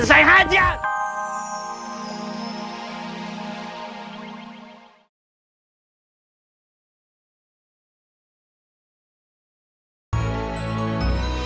dan saya tidak peduli dengan miserable perfume